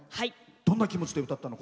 どんな気持ちで歌ったの？